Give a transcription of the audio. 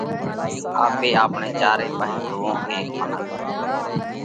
آپي آپڻئہ چاري پاهي زوئون۔ ڪينڪ منک